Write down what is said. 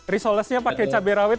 rizoles nya pakai cabai rawit